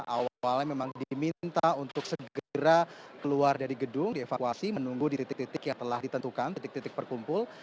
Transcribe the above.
awalnya memang diminta untuk segera keluar dari gedung dievakuasi menunggu di titik titik yang telah ditentukan titik titik berkumpul